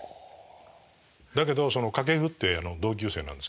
だけど掛布って同級生なんですけど。